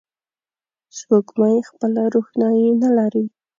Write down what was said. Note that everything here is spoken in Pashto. سپوږمۍ خپله روښنایي نه لري